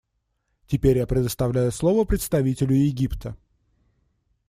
Теперь я предоставляю слово представителю Египта.